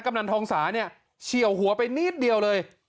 ำนันทองสาเนี่ยเฉียวหัวไปนิดเดียวเลย